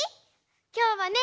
きょうはね